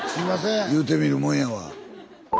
言うてみるもんやわ。